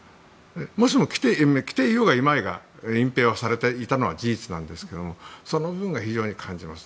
もしも来ていようがいまいが隠蔽されていたのは事実なんですけどその部分は非常に感じます。